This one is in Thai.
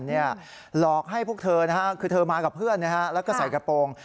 หลอกให้พวกเธอคือเธอมากับเพื่อนแล้วก็ใส่กระโปรง